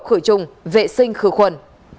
khử trùng vệ sinh khử khuẩn